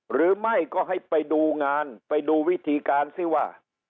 หรือไม่ก็ให้ไปดูงานไปดูวิธีการซิว่า